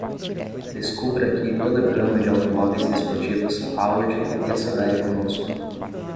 Descubra aqui toda a gama de automóveis desportivos Audi e acelere connosco.